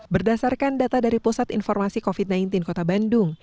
berdasarkan data dari pusat informasi covid sembilan belas kota bandung